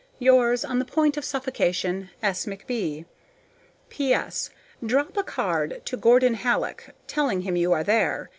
Yours, on the point of suffocation, S. McB. P.S. Drop a card to Gordon Hallock, telling him you are there.